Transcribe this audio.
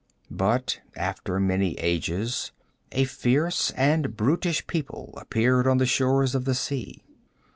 But after many ages a fierce and brutish people appeared on the shores of the sea.